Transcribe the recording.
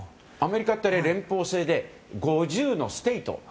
アメリカって連邦制で５０のステート。